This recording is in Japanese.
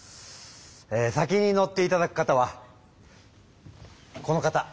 え先に乗っていただく方はこの方。